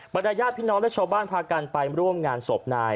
ญาติพี่น้องและชาวบ้านพากันไปร่วมงานศพนาย